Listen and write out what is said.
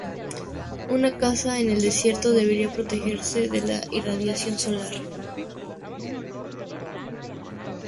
Una casa en el desierto debería protegerse de la irradiación solar.